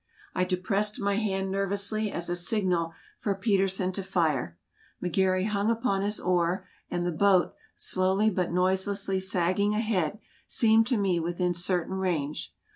I depressed my hand nervously, as a signal for Petersen to fire. McGary hung upon his oar, and the boat, slowly but noiselessly sagging ahead, seemed to me within certain range.